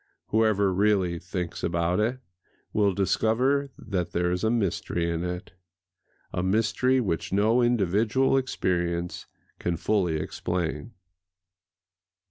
Whoever really thinks about it will discover that there is a mystery in it,—a mystery which no individual experience can fully explain.